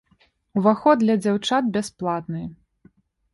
Уваход для дзяўчат бясплатны.